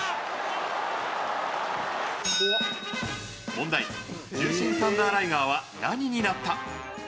「問題獣神サンダー・ライガーは何になった？」